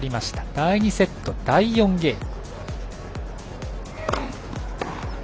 第２セット、第４ゲーム。